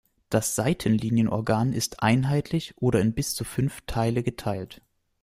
Das Seitenlinienorgan ist einheitlich oder in bis zu fünf Teile geteilt.